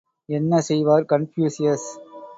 என்ன செய்வார் கன்பூசியஸ்?